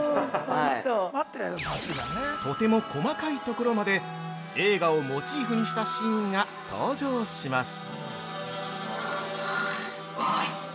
◆とても細かいところまで映画をモチーフにしたシーンが登場します。